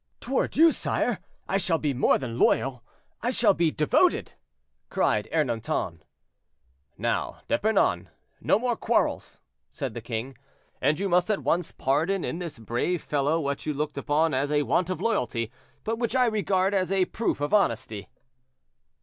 "Toward you, sire, I shall be more than loyal—I shall be devoted," cried Ernanton. "Now, D'Epernon, no more quarrels," said the king; "and you must at once pardon in this brave fellow what you looked upon as a want of loyalty, but which I regard as a proof of honesty."